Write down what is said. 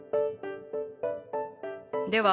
では